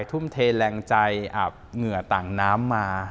ทุ่มเทแรงใจอาบเหงื่อต่างน้ำมา